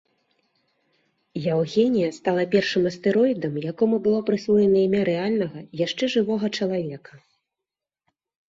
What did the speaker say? Яўгенія стала першым астэроідам, якому было прысвоена імя рэальнага яшчэ жывога чалавека.